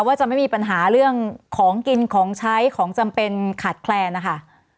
ว่าจะไม่มีปัญหาเรื่องของกินของใช้ของจำเป็นขาดแคลนนะคะ